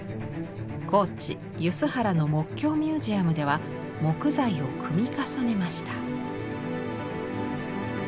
高知・梼原の木橋ミュージアムでは木材を組み重ねました。